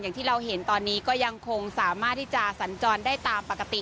อย่างที่เราเห็นตอนนี้ก็ยังคงสามารถที่จะสัญจรได้ตามปกติ